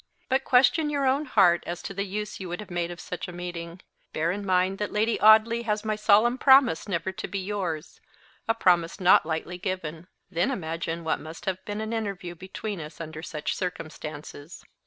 But question your own heart as to the use you would have made of such a meeting; bear in mind that Lady Audley has my solemn promise never to be yours a promise not lightly given; then imagine what must have been an interview between us under such circumstances.